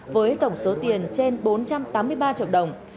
với tổng số tiền trên bốn trăm tám mươi ba triệu đồng